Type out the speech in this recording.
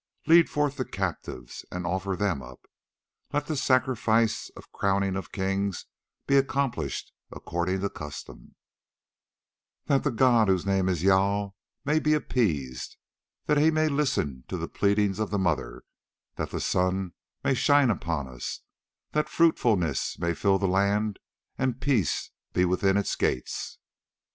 Lead forth the captives, and offer them up. Let the sacrifice of the Crowning of Kings be accomplished according to custom, that the god whose name is Jâl may be appeased; that he may listen to the pleadings of the Mother, that the sun may shine upon us, that fruitfulness may fill the land and peace be within its gates."